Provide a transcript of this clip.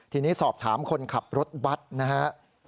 ทีนี้สอบถามคนขับรถบัตรนะครับ